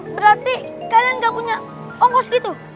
berarti kalian gak punya ongkos gitu